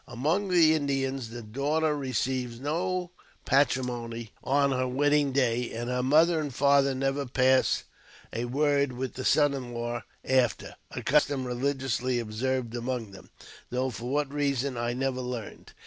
Among the Indians, the daughter receives no patrimony on her wedding day, and her mother and father never pass a word with the son in law after — a custom religiously observed among them, though for what reason I never learned.